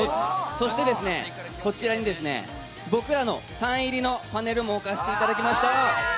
そしてですね、こちらにですね、僕らのサイン入りのパネルも置かしていただきました。